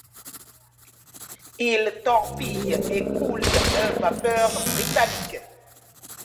Il torpille et coule un vapeur britannique.